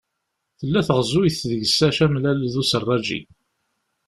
Tella teɣzuyt deg-s acamlal d userraǧi.